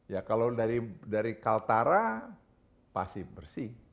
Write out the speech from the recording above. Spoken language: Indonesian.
ya kalau dari kaltara pasti bersih